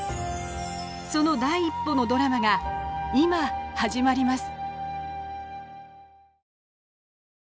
その第一歩のドラマが今始まります。